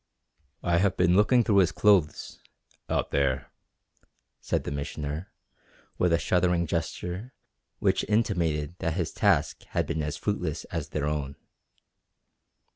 "I have been looking through his clothes out there," said the Missioner, with a shuddering gesture which intimated that his task had been as fruitless as their own.